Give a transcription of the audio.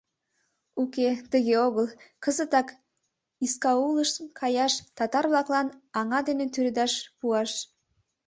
Уке, тыге огыл, кызытак Искаулыш каяш, татар-влаклан аҥа дене тӱредаш пуаш.